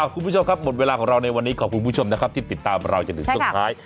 คุณผู้ชมครับหมดเวลาของเราในวันนี้ขอบคุณผู้ชมนะครับที่ติดตามเราจนถึงช่วงท้าย